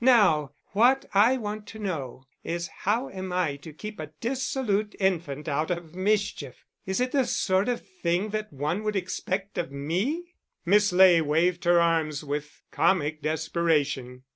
Now, what I want to know, is how am I to keep a dissolute infant out of mischief. Is it the sort of thing that one would expect of me?" Miss Ley waved her arms with comic desperation.